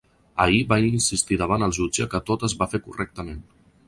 Ahir va insistir davant el jutge que tot es va fer correctament.